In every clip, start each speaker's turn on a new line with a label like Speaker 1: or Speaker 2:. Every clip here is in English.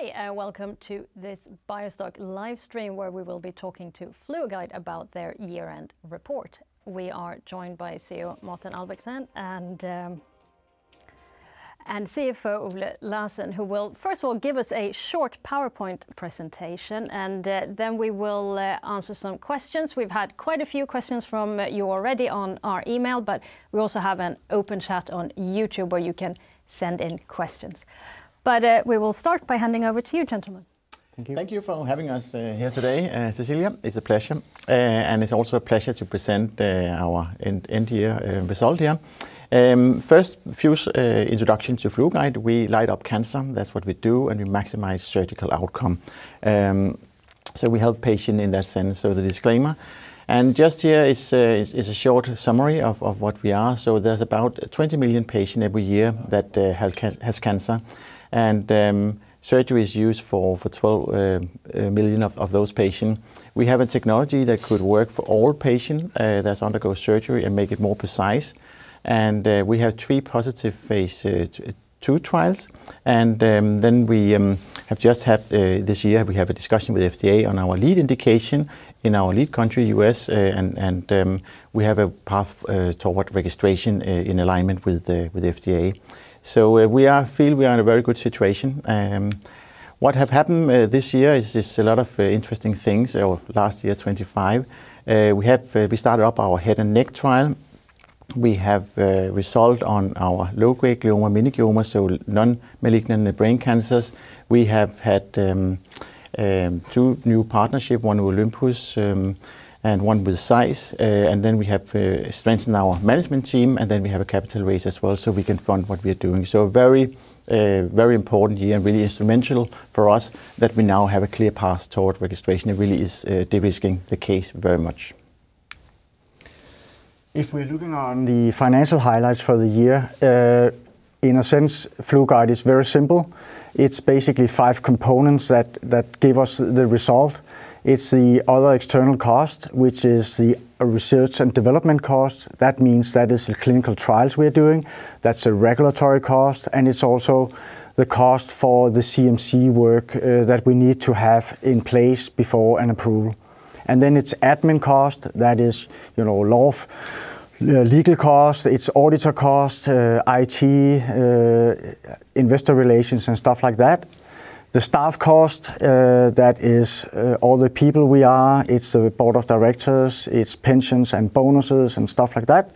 Speaker 1: Hi, welcome to this BioStock live stream, where we will be talking to FluoGuide about their year-end report. We are joined by CEO Morten Albrechtsen and CFO Ole Larsen, who will first of all give us a short PowerPoint presentation, and then we will answer some questions. We've had quite a few questions from you already on our email, but we also have an open chat on YouTube, where you can send in questions. We will start by handing over to you, gentlemen.
Speaker 2: Thank you.
Speaker 3: Thank you for having us here today, Cecilia. It's a pleasure. It's also a pleasure to present our end year result here. First, few introduction to FluoGuide. We light up cancer. That's what we do, we maximize surgical outcome. We help patient in that sense. The disclaimer, and just here is a short summary of what we are. There's about 20 million patient every year that has cancer, and surgery is used for 12 million of those patients. We have a technology that could work for all patient that's undergo surgery and make it more precise. We have three positive Phase II trials. We have just had this year, we have a discussion with FDA on our lead indication in our lead country, U.S. We have a path toward registration in alignment with FDA. We are feel we are in a very good situation. What have happened this year is just a lot of interesting things, or last year, 2025. We started up our head and neck trial. We have resolved on our low-grade glioma, meningioma, so non-malignant brain cancers. We have had two new partnership, one with Olympus and one with ZEISS. We have strengthened our management team, and then we have a capital raise as well, so we can fund what we are doing. Very important year and really instrumental for us that we now have a clear path toward registration. It really is de-risking the case very much.
Speaker 2: If we're looking on the financial highlights for the year, in a sense, FluoGuide is very simple. It's basically five components that give us the result. It's the other external cost, which is the research and development cost. That means that is the clinical trials we're doing, that's a regulatory cost, and it's also the cost for the CMC work that we need to have in place before an approval. It's admin cost, that is, you know, law, legal cost, it's auditor cost, IT, investor relations, and stuff like that. The staff cost, that is, all the people we are. It's the board of directors, it's pensions and bonuses, and stuff like that.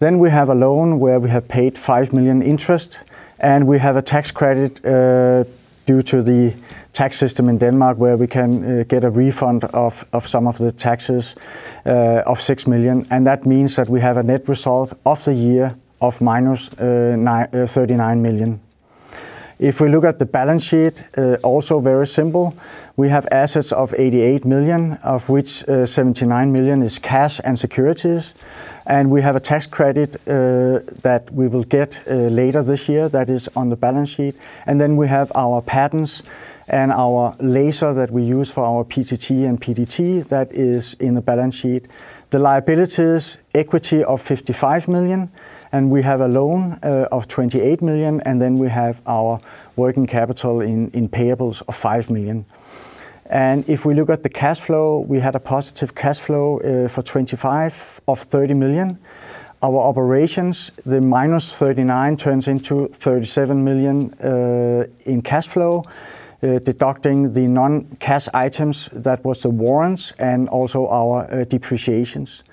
Speaker 2: We have a loan where we have paid 5 million interest, and we have a tax credit, due to the tax system in Denmark, where we can get a refund of some of the taxes, of 6 million. That means that we have a net result of the year of minus 39 million. If we look at the balance sheet, also very simple. We have assets of 88 million, of which 79 million is cash and securities, and we have a tax credit that we will get later this year. That is on the balance sheet. We have our patents and our laser that we use for our PTT and PDT. That is in the balance sheet. The liabilities, equity of 55 million, and we have a loan of 28 million, and then we have our working capital in payables of 5 million. If we look at the cash flow, we had a positive cash flow for 2025 of 30 million. Our operations, the minus 39 turns into 37 million in cash flow, deducting the non-cash items, that was the warrants and also our depreciations.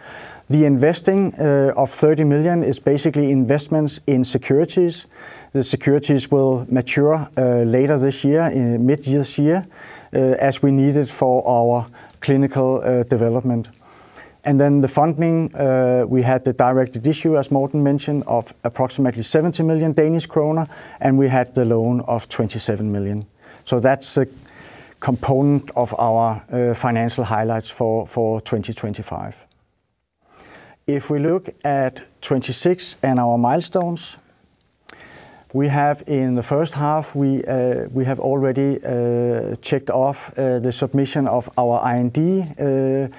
Speaker 2: The investing of 30 million is basically investments in securities. The securities will mature later this year, in mid this year, as we need it for our clinical development. The funding, we had the directed issue, as Morten mentioned, of approximately 70 million Danish kroner, and we had the loan of 27 million. That's a component of our financial highlights for 2025. If we look at 2026 and our milestones, we have in the first half, we have already checked off the submission of our IND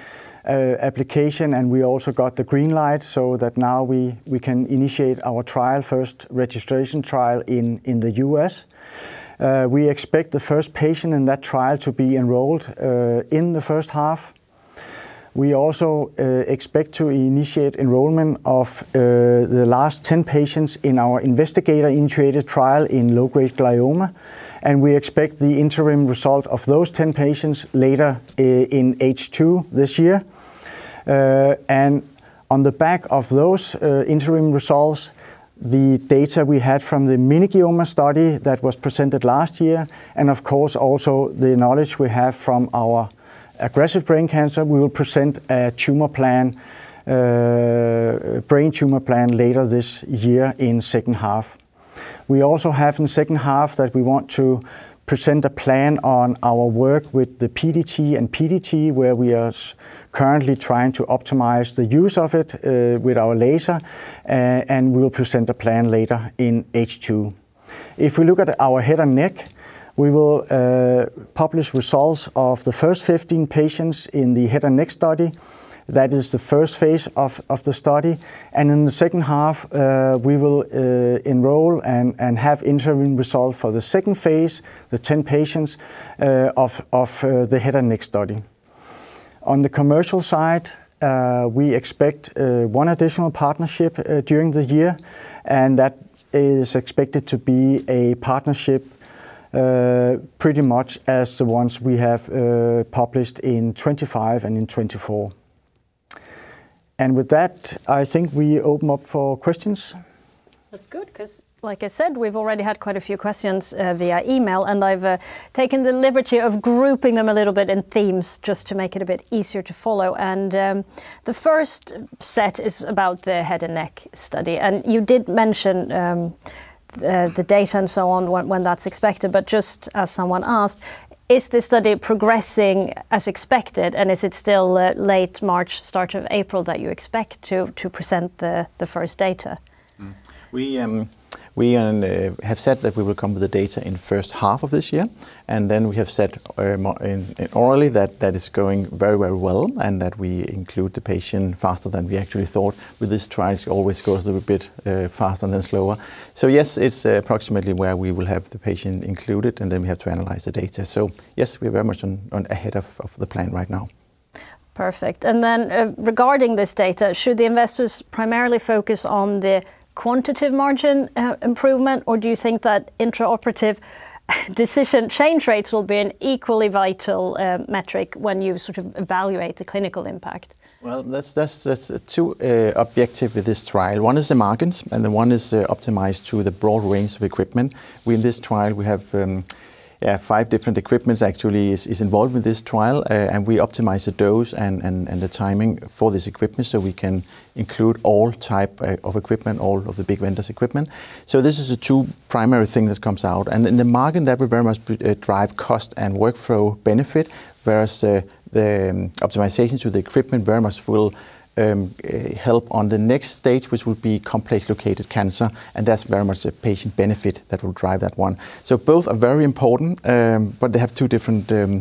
Speaker 2: application, and we also got the green light so that now we can initiate our trial, first registration trial in the U.S. We expect the first patient in that trial to be enrolled in the first half. We also expect to initiate enrollment of the last 10 patients in our investigator-initiated trial in low-grade glioma, and we expect the interim result of those 10 patients later in H2 this year. On the back of those interim results, the data we had from the meningioma study that was presented last year, and of course, also the knowledge we have from our high-grade glioma, we will present a brain tumor plan later this year in second half. We also have in the second half that we want to present a plan on our work with the PDT, where we are currently trying to optimize the use of it with our laser, and we will present a plan later in H2. If we look at our head and neck, we will publish results of the first 15 patients in the head and neck study. That is the first phase of the study, in the second half, we will enroll and have interim result for the second phase, the 10 patients of the head and neck study. On the commercial side, we expect one additional partnership during the year, and that is expected to be a partnership pretty much as the ones we have published in 2025 and in 2024. With that, I think we open up for questions.
Speaker 1: That's good, 'cause like I said, we've already had quite a few questions, via email, and I've taken the liberty of grouping them a little bit in themes just to make it a bit easier to follow. The first set is about the head and neck study. You did mention the data and so on, when that's expected, but just as someone asked, is the study progressing as expected, and is it still late March, start of April, that you expect to present the first data?
Speaker 3: We have said that we will come with the data in first half of this year. We have said more in orally, that that is going very, very well, and that we include the patient faster than we actually thought. With this trial, it always goes a little bit faster than slower. Yes, it's approximately where we will have the patient included. We have to analyze the data. Yes, we're very much on ahead of the plan right now.
Speaker 1: Perfect. Regarding this data, should the investors primarily focus on the quantitative margin improvement, or do you think that intraoperative decision change rates will be an equally vital metric when you sort of evaluate the clinical impact?
Speaker 3: Well, that's two objective with this trial. One is the margins, and then one is to optimize to the broad range of equipment. With this trial, we have 5 different equipments actually is involved with this trial. We optimize the dose and the timing for this equipment, so we can include all type of equipment, all of the big vendors' equipment. This is the two primary thing that comes out, and in the margin, that will very much drive cost and workflow benefit, whereas the optimization to the equipment very much will help on the next stage, which will be complex-located cancer, and that's very much a patient benefit that will drive that one. Both are very important, but they have two different, what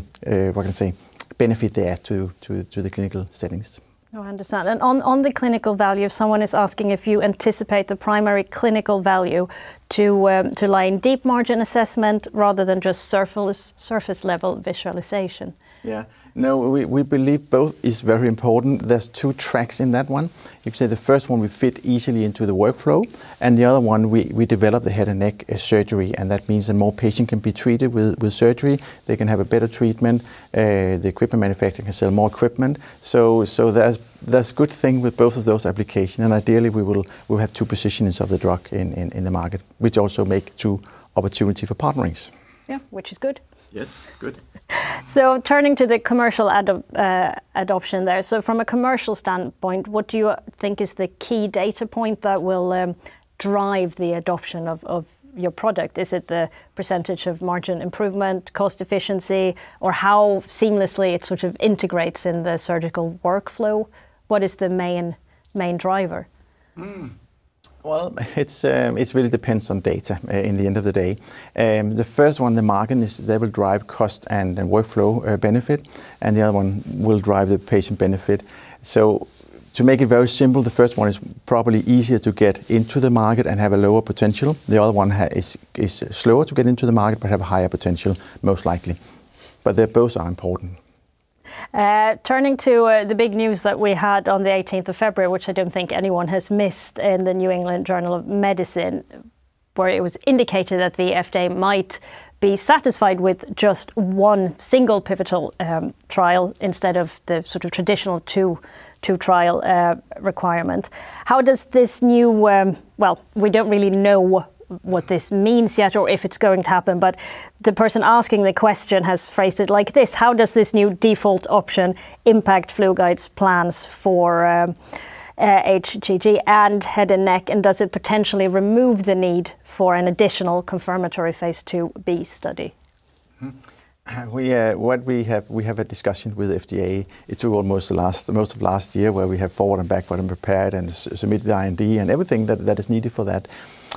Speaker 3: can I say? Benefit there to the clinical settings.
Speaker 1: No, I understand. On the clinical value, someone is asking if you anticipate the primary clinical value to lie in deep margin assessment rather than just surface-level visualization.
Speaker 3: Yeah. No, we believe both is very important. There's 2 tracks in that one. You can say the first one we fit easily into the workflow. The other one, we develop the head and neck surgery. That means the more patient can be treated with surgery. They can have a better treatment. The equipment manufacturer can sell more equipment. That's good thing with both of those application. Ideally, we'll have two positions of the drug in the market, which also make two opportunity for partnerings.
Speaker 1: Yeah, which is good.
Speaker 3: Yes. Good.
Speaker 1: Turning to the commercial adoption there, so from a commercial standpoint, what do you think is the key data point that will drive the adoption of your product? Is it the percentage of margin improvement, cost efficiency, or how seamlessly it sort of integrates in the surgical workflow? What is the main driver?
Speaker 3: Well, it's really depends on data, in the end of the day. The first one, the margin, is they will drive cost and workflow benefit, and the other one will drive the patient benefit. To make it very simple, the first one is probably easier to get into the market and have a lower potential. The other one is slower to get into the market but have a higher potential, most likely. They both are important.
Speaker 1: Turning to the big news that we had on the 18th of February, which I don't think anyone has missed, in The New England Journal of Medicine, where it was indicated that the FDA might be satisfied with just one single pivotal trial instead of the sort of traditional two-trial requirement. How does this new... Well, we don't really know what this means yet or if it's going to happen, but the person asking the question has phrased it like this: "How does this new default option impact FluoGuide's plans for HGG and head and neck, and does it potentially remove the need for an additional confirmatory phase IIb study?
Speaker 3: We have a discussion with FDA. It took almost last, most of last year, where we have forward and backward and prepared and submit the IND and everything that is needed for that.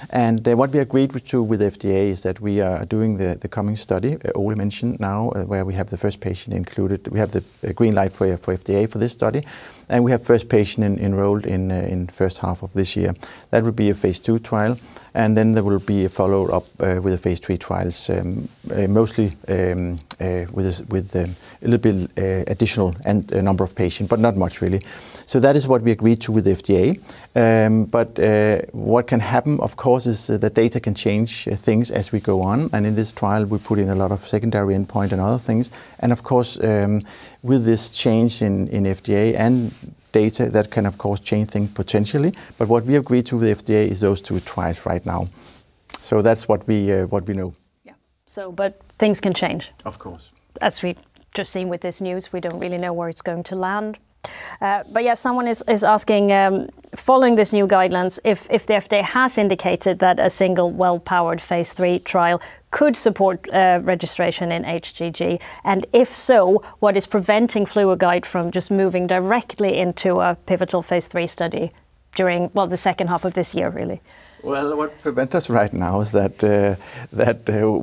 Speaker 3: What we agreed with to, with FDA is that we are doing the coming study Ole mentioned now, where we have the first patient included. We have a green light for FDA for this study, and we have first patient enrolled in first half of this year. That would be a phase II trial, and then there will be a follow-up with the phase III trials. Mostly with this, with the a little bit additional and number of patient, but not much really. That is what we agreed to with FDA. What can happen, of course, is the data can change things as we go on, and in this trial, we put in a lot of secondary endpoint and other things. Of course, with this change in FDA end data, that can of course change things potentially. What we agreed to with the FDA is those two trials right now. That's what we know.
Speaker 1: Yeah. things can change.
Speaker 3: Of course.
Speaker 1: as we've just seen with this news. We don't really know where it's going to land. Yeah, someone is asking, following this new guidelines, if the FDA has indicated that a single well-powered phase III trial could support registration in HGG, and if so, what is preventing FluoGuide from just moving directly into a pivotal phase III study during, well, the second half of this year, really?
Speaker 3: Well, what prevent us right now is that,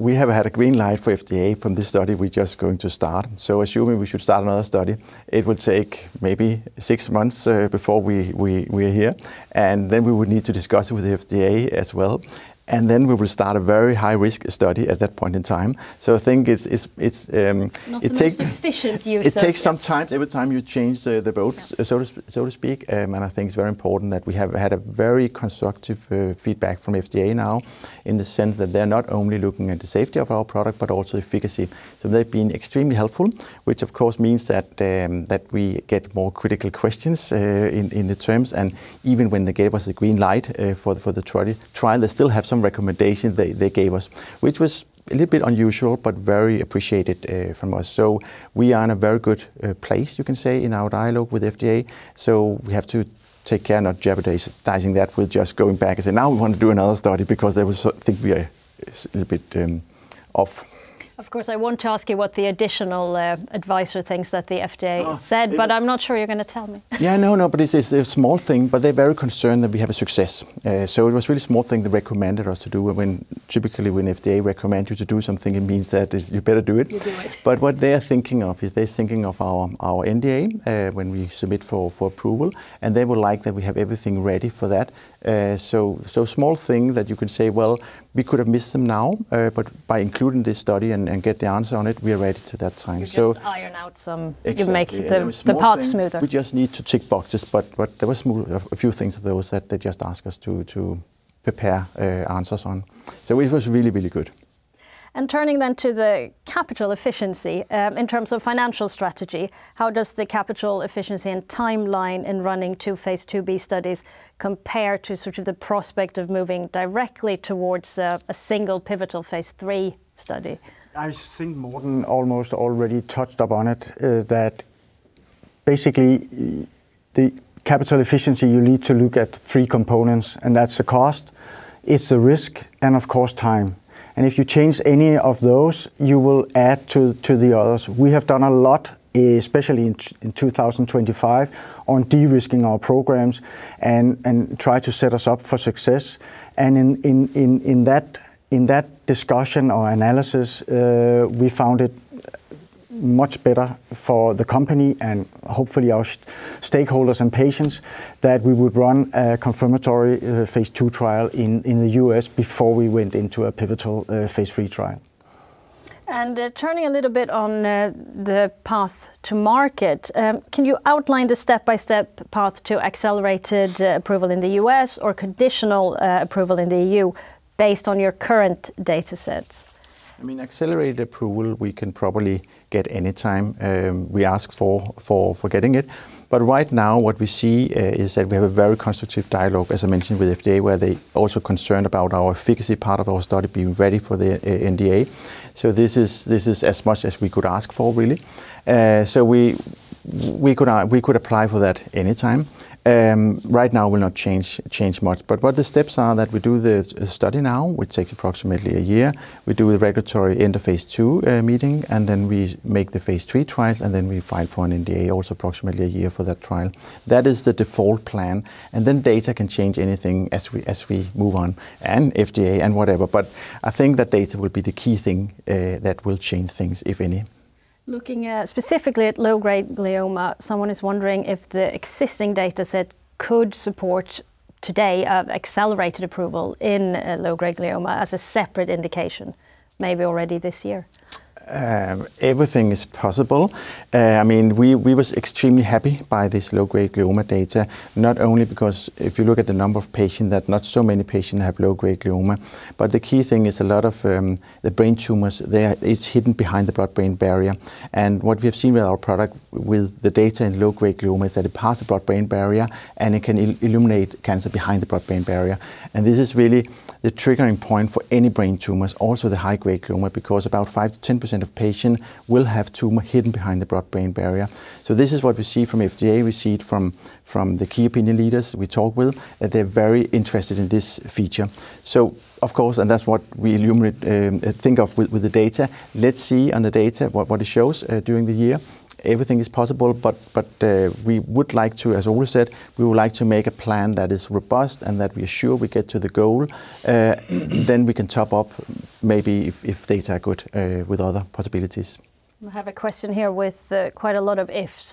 Speaker 3: we have had a green light for FDA from this study we're just going to start. Assuming we should start another study, it would take maybe 6 months, before we're here, and then we would need to discuss it with the FDA as well, and then we will start a very high-risk study at that point in time. I think it's, it's.
Speaker 1: Not the most efficient use of-
Speaker 3: It takes some time every time you change the boats...
Speaker 1: Yeah
Speaker 3: so to speak. I think it's very important that we have had a very constructive feedback from FDA now, in the sense that they're not only looking at the safety of our product, but also efficacy. They've been extremely helpful, which of course means that we get more critical questions in the terms, and even when they gave us the green light for the trial, they still have some recommendations they gave us, which was a little bit unusual but very appreciated from us. We are in a very good place, you can say, in our dialogue with FDA, so we have to take care, not jeopardizing that with just going back and say, "Now we want to do another study," because there was think we are a little bit off.
Speaker 1: Of course, I want to ask you what the additional, advisor things that the FDA-.
Speaker 3: Oh
Speaker 1: said, but I'm not sure you're gonna tell me.
Speaker 3: Yeah, no, it's a small thing, but they're very concerned that we have a success. It was really a small thing they recommended us to do when typically when FDA recommend you to do something, it means that is, you better do it.
Speaker 1: You do it.
Speaker 3: What they're thinking of is they're thinking of our NDA, when we submit for approval, and they would like that we have everything ready for that. Small thing that you can say, well, we could have missed them now, but by including this study and get the answer on it, we are ready to that time.
Speaker 1: You just iron out.
Speaker 3: Exactly Small thing the path smoother. We just need to tick boxes, but there were smooth. A few things that was, that they just asked us to prepare, answers on. It was really, really good.
Speaker 1: Turning then to the capital efficiency, in terms of financial strategy, how does the capital efficiency and timeline in running 2 Phase IIb studies compare to sort of the prospect of moving directly towards, a single pivotal Phase III study?
Speaker 2: I think Morten almost already touched upon it, that basically, the capital efficiency, you need to look at three components, and that's the cost, it's the risk, and of course, time, and if you change any of those, you will add to the others. We have done a lot, especially in 2025, on de-risking our programs and try to set us up for success, and in that discussion or analysis, we found it much better for the company and hopefully our stakeholders and patients, that we would run a confirmatory Phase II trial in the US before we went into a pivotal Phase III trial.
Speaker 1: Turning a little bit on the path to market, can you outline the step-by-step path to accelerated approval in the U.S. or conditional approval in the E.U. based on your current data sets?
Speaker 3: I mean, accelerated approval, we can probably get any time, we ask for getting it. Right now, what we see, is that we have a very constructive dialogue, as I mentioned, with FDA, where they also concerned about our efficacy, part of our study, being ready for the NDA. This is as much as we could ask for, really. We could apply for that any time. Right now will not change much, but what the steps are that we do the study now, which takes approximately a year. We do a regulatory end of Phase II meeting, and then we make the Phase III trials, and then we file for an NDA, also approximately a year for that trial. That is the default plan. Then data can change anything as we move on, and FDA and whatever. I think that data will be the key thing that will change things, if any.
Speaker 1: Looking at, specifically at low-grade glioma, someone is wondering if the existing data set could support today an accelerated approval in a low-grade glioma as a separate indication, maybe already this year?
Speaker 3: Everything is possible. I mean, we was extremely happy by this low-grade glioma data, not only because if you look at the number of patients, that not so many patients have low-grade glioma, but the key thing is a lot of the brain tumors, it's hidden behind the blood-brain barrier. What we have seen with our product, with the data in low-grade glioma, is that it passes the blood-brain barrier, and it can illuminate cancer behind the blood-brain barrier. This is really the triggering point for any brain tumors, also the high-grade glioma, because about 5%-10% of patient will have tumor hidden behind the blood-brain barrier. This must is what we see from FDA. We see it from the key opinion leaders we talk with, that they're very interested in this feature. Of course, and that's what we illuminate, think of with the data. Let's see on the data what it shows during the year. Everything is possible, but we would like to, as Ole said, we would like to make a plan that is robust and that we are sure we get to the goal. Then we can top up maybe if data are good with other possibilities.
Speaker 1: We have a question here with quite a lot of if.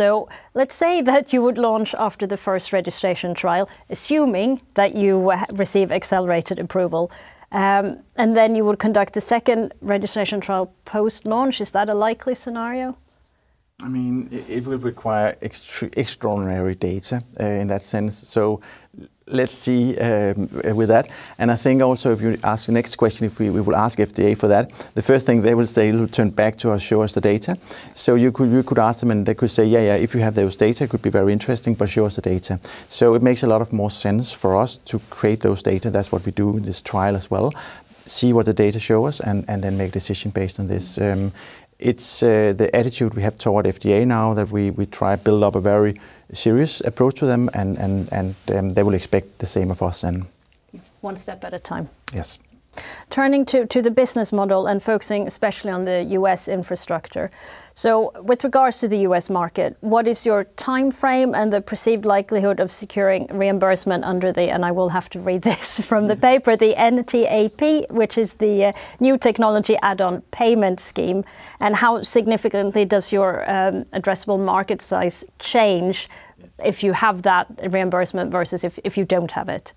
Speaker 1: Let's say that you would launch after the first registration trial, assuming that you receive accelerated approval, and then you would conduct the second registration trial post-launch. Is that a likely scenario?
Speaker 3: I mean, it would require extraordinary data in that sense. Let's see, with that, I think also if you ask the next question, if we would ask FDA for that, the first thing they will say, they'll turn back to us, "Show us the data." You could ask them, and they could say, "Yeah, yeah, if you have those data, it could be very interesting, but show us the data." It makes a lot of more sense for us to create those data. That's what we do in this trial as well, see what the data show us, and then make decision based on this. It's the attitude we have toward FDA now that we try to build up a very serious approach to them, and they will expect the same of us then.
Speaker 1: One step at a time.
Speaker 3: Yes.
Speaker 1: Turning to the business model and focusing especially on the U.S. infrastructure. With regards to the U.S. market, what is your timeframe and the perceived likelihood of securing reimbursement under the, and I will have to read this from the paper, the NTAP, which is the New Technology Add-on Payment scheme, and how significantly does your addressable market size change if you have that reimbursement versus if you don't have it?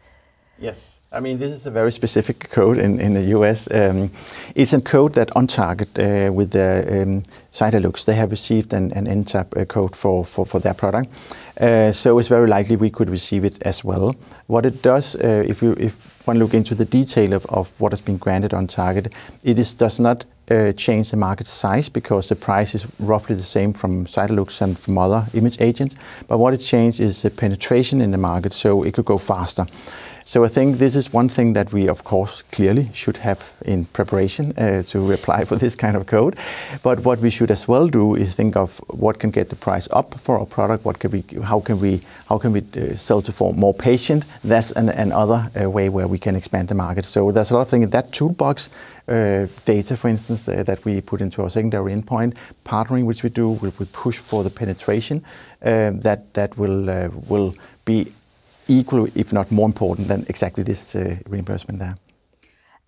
Speaker 3: Yes. I mean, this is a very specific code in the U.S. It's a code that OnTarget, with the CYTALUX, they have received an NTAP code for their product. It's very likely we could receive it as well. What it does, if you, if one look into the detail of what has been granted OnTarget, does not change the market size because the price is roughly the same from CYTALUX and from other imaging agents, but what it changed is the penetration in the market, so it could go faster. I think this is one thing that we, of course, clearly should have in preparation, to apply for this kind of code. What we should as well do is think of what can get the price up for our product, how can we sell to for more patient, less, and other way where we can expand the market. There's a lot of thing in that toolbox, data, for instance, that we put into our secondary endpoint, partnering which we do, where we push for the penetration, that will be equally, if not more important, than exactly this reimbursement there.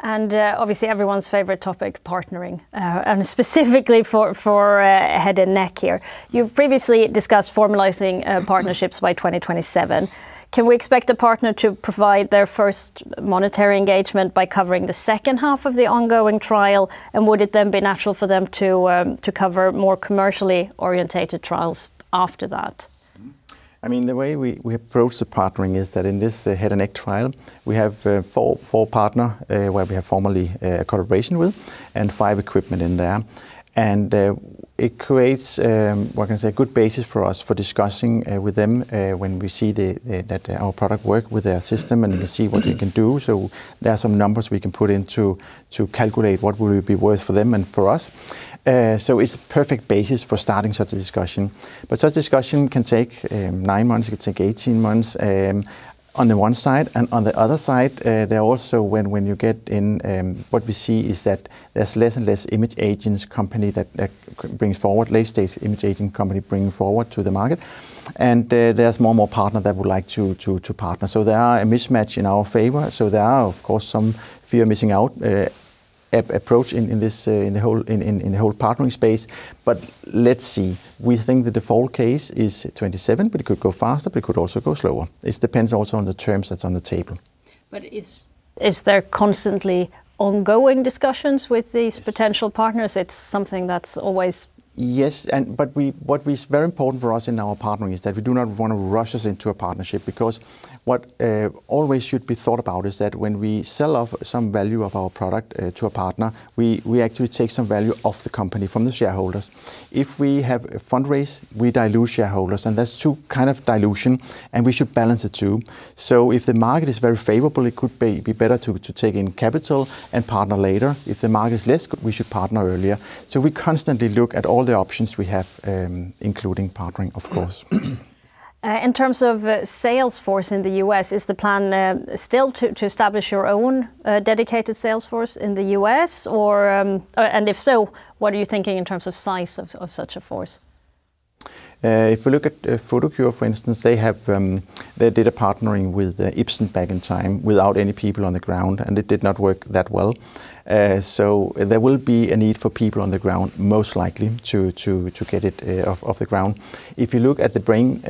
Speaker 1: Obviously, everyone's favorite topic, partnering, and specifically for head and neck here. You've previously discussed formalizing partnerships by 2027. Can we expect a partner to provide their first monetary engagement by covering the second half of the ongoing trial, and would it then be natural for them to cover more commercially-oriented trials after that?
Speaker 3: I mean, the way we approach the partnering is that in this head and neck trial, we have four partner where we have formally collaboration with, and five equipment in there. It creates what can I say? A good basis for us for discussing with them when we see that our product work with their system, we see what it can do. There are some numbers we can put in to calculate what will it be worth for them and for us. It's perfect basis for starting such a discussion. Such discussion can take nine months, it can take 18 months on the one side, and on the other side, there are also when you get in. What we see is that there's less and less imaging agents company that brings forward, late-stage imaging agent company bringing forward to the market, and there's more and more partner that would like to partner. There are a mismatch in our favor. There are, of course, some fear of missing out approach in this in the whole partnering space, but let's see. We think that the default case is 2027, but it could go faster, but it could also go slower. It depends also on the terms that's on the table.
Speaker 1: Is there constantly ongoing discussions with potential partners? It's something that's always-
Speaker 3: Yes, what is very important for us in our partnering is that we do not want to rush us into a partnership because what always should be thought about is that when we sell off some value of our product to a partner, we actually take some value off the company from the shareholders. If we have a fundraise, we dilute shareholders, and that's two kind of dilution, and we should balance the two. If the market is very favorable, it could be better to take in capital and partner later. If the market is less, we should partner earlier. We constantly look at all the options we have, including partnering, of course.
Speaker 1: In terms of sales force in the U.S., is the plan still to establish your own dedicated sales force in the U.S., or? If so, what are you thinking in terms of size of such a force?
Speaker 3: If we look at Photocure, for instance, they have, they did a partnering with Ipsen back in time without any people on the ground, and it did not work that well. There will be a need for people on the ground, most likely, to get it off the ground. If you look at the brain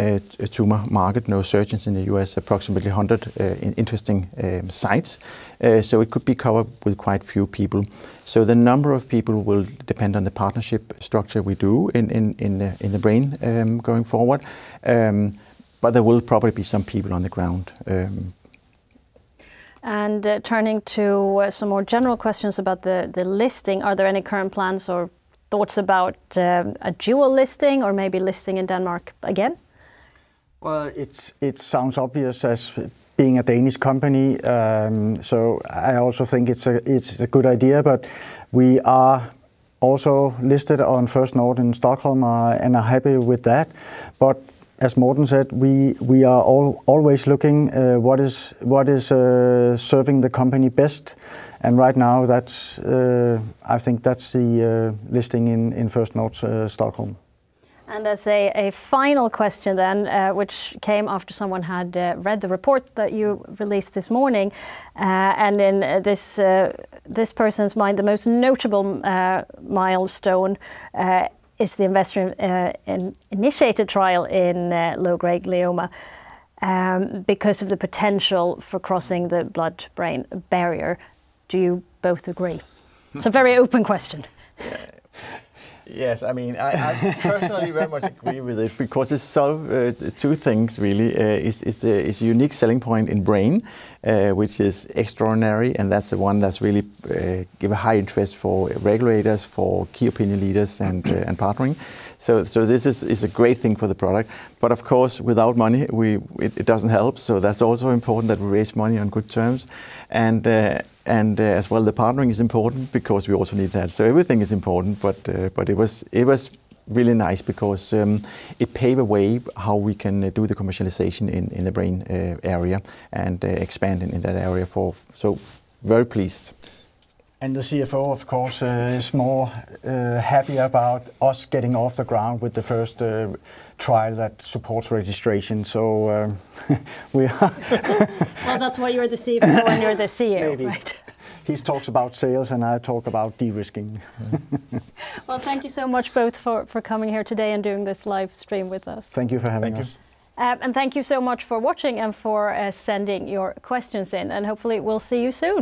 Speaker 3: tumor market, no surgeons in the U.S., approximately 100 in interesting sites. It could be covered with quite few people. The number of people will depend on the partnership structure we do in the brain going forward. There will probably be some people on the ground.
Speaker 1: Turning to some more general questions about the listing, are there any current plans or thoughts about a dual listing or maybe listing in Denmark again?
Speaker 2: It sounds obvious as being a Danish company. I also think it's a good idea. We are also listed on First North in Stockholm, and are happy with that. As Morten said, we are always looking what is serving the company best, and right now that's I think that's the listing in First North's Stockholm.
Speaker 1: As a final question then, which came after someone had read the report that you released this morning, and in this person's mind, the most notable milestone is the investigator-initiated trial in low-grade glioma, because of the potential for crossing the blood-brain barrier. Do you both agree? It's a very open question.
Speaker 3: Yes, I mean, I personally very much agree with this because it solve two things really. it's a unique selling point in brain which is extraordinary, and that's the one that's really give a high interest for regulators, for key opinion leaders, and partnering. this is a great thing for the product, but of course, without money, it doesn't help, that's also important that we raise money on good terms. as well, the partnering is important because we also need that. everything is important, but it was really nice because it pave a way how we can do the commercialization in the brain area, and expanding in that area for... very pleased.
Speaker 2: The CFO, of course, is more happy about us getting off the ground with the first trial that supports registration. We are...
Speaker 1: Well, that's why you're the CFO and you're the CEO.
Speaker 2: Maybe
Speaker 1: right?
Speaker 2: He talks about sales, and I talk about de-risking.
Speaker 1: Well, thank you so much, both for coming here today and doing this live stream with us.
Speaker 3: Thank you for having us.
Speaker 2: Thank you.
Speaker 1: Thank you so much for watching and for sending your questions in, and hopefully we'll see you soon.